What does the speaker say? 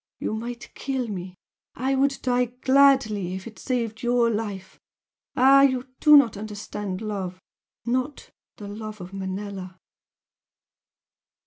You might kill me I would die gladly if it saved YOUR life! ah, you do not understand love not the love of Manella!"